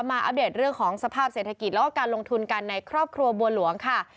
อัปเดตเรื่องของสภาพเศรษฐกิจแล้วก็การลงทุนกันในครอบครัวบัวหลวงค่ะ